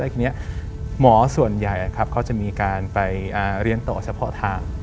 ทีนี้หมอส่วนใหญ่เขาจะมีการไปเรียนต่อเฉพาะทาง